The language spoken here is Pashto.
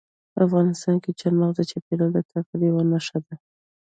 افغانستان کې چار مغز د چاپېریال د تغیر یوه نښه ده.